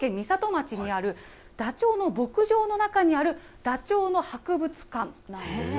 町にあるダチョウの牧場の中にあるダチョウの博物館なんです。